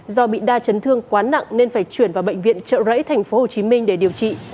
do bị đa chấn thương quá nặng nên phải chuyển vào bệnh viện trợ rẫy tp hcm để điều trị